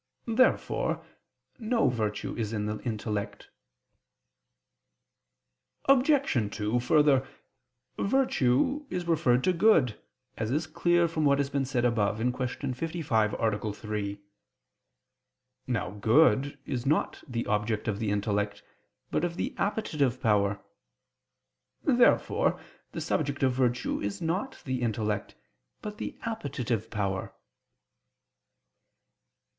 Therefore no virtue is in the intellect. Obj. 2: Further, virtue is referred to good, as is clear from what has been said above (Q. 55, A. 3). Now good is not the object of the intellect, but of the appetitive power. Therefore the subject of virtue is not the intellect, but the appetitive power.